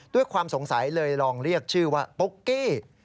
ด้วยความสงสัยเลยลองเรียกชื่อว่าปุ๊กกี้